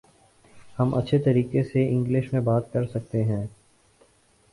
ہم اچھے طریقے سے انگلش میں بات کر سکتے ہیں